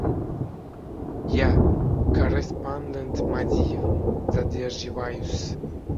— «Ya, korrespondent Madiev... zaderjivayus!»